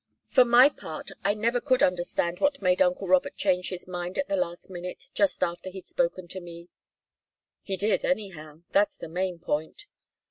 For my part I never could understand what made uncle Robert change his mind at the last minute, just after he'd spoken to me." "He did, anyhow. That's the main point."